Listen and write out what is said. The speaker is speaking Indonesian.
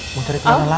eh mau cari gimana lagi